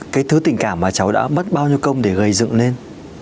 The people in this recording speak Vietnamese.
cái thứ tình cảm mà cháu đã mất bao nhiêu công để gây dựng lên